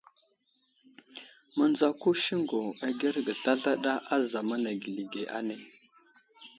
Miŋdzako siŋgu agerge zlazlaɗa a zamana geli ge ane.